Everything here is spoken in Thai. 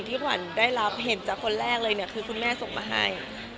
ขวัญได้รับเห็นจากคนแรกเลยเนี่ยคือคุณแม่ส่งมาให้